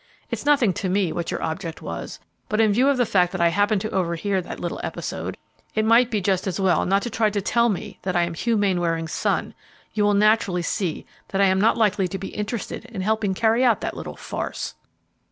It's nothing to me what your object was, but in view of the fact that I happened to overhear that little episode, it might be just as well not to try to tell me that I am Hugh Mainwaring's son. You will naturally see that I am not likely to be interested in helping carry out that little farce!"